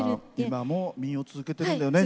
今も民謡を続けてるんだよね。